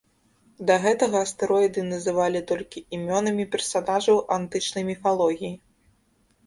Да гэтага астэроіды называлі толькі імёнамі персанажаў антычнай міфалогіі.